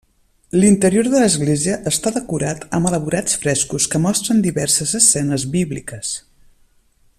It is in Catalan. L'interior de l'església està decorat amb elaborats frescos que mostren diverses escenes bíbliques.